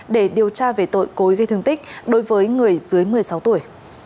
để điều tra về tội cối gây thương tích đối với người dưới một mươi sáu tuổi